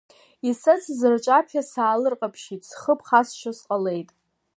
Исыцыз рҿаԥхьа саалырҟаԥшьит, схы ԥхасшьо сҟалеит!